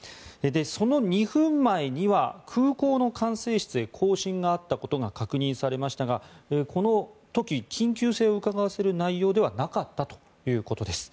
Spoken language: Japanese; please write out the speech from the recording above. その２分前には空港の管制室へ交信があったことが確認されましたがこの時緊急性をうかがわせる内容ではなかったということです。